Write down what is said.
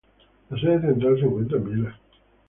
La sede central se encuentra en Viena.